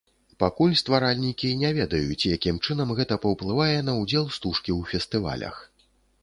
Пакуль стваральнікі не ведаюць, якім чынам гэта паўплывае на ўдзел стужкі ў фестывалях.